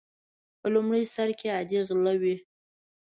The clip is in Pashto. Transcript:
په لومړي سر کې عادي غله وي.